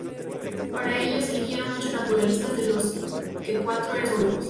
Para ello, se eligieron ocho naturalistas, de los que cuatro eran zoólogos.